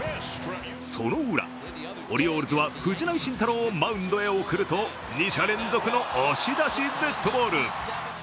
そのウラ、オリオールズは藤浪晋太郎をマウンドへ送ると２者連続の押し出しデッドボール。